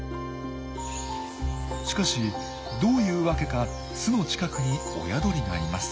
しかしどういうわけか巣の近くに親鳥がいます。